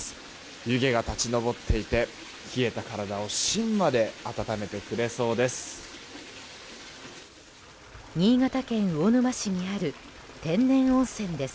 湯気が立ち上っていて冷えた体を芯まで温めてくれそうです。